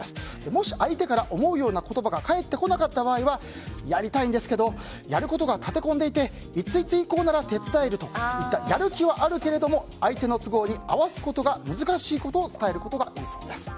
もし、相手から思うような言葉が返ってこない場合やりたいんですけどやることが立て込んでいていついつ以降なら手伝えるといったやる気はあるけれども相手の都合に合わすことが難しいことを伝えるといいそうです。